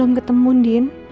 belum ketemu din